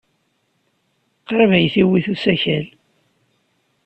Qrib ay t-iwit usakal.